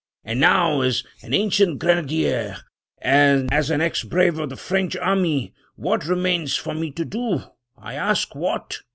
And now, as an ancient grenadier, as an ex brave of the French army, what remains for me to do? I ask what?